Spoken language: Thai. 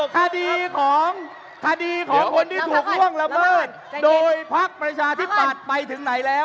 คดีของคดีของคนที่ถูกล่วงละเมิดโดยพักประชาธิปัตย์ไปถึงไหนแล้ว